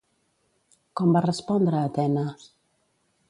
Com va respondre Atena?